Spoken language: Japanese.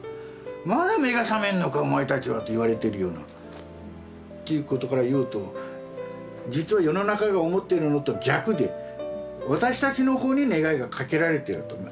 まだ目が覚めんのかお前たちはと言われてるような。っていうことからいうと実は世の中が思ってるのと逆で私たちの方に願いがかけられてると思う。